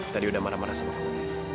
tadi udah marah marah sama kamu